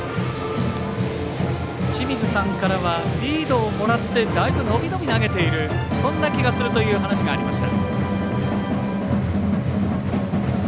清水さんからはリードをもらってだいぶ伸び伸び投げているそんな気がするという話がありました。